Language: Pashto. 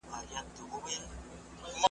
له ګودر څخه مي رنګ د رنجو واخیست `